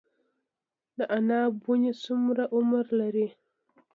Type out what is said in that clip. د عناب ونې څومره عمر لري؟